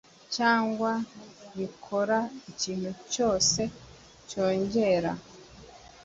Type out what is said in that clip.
cyangwa rikora ikintu cyose cyongerera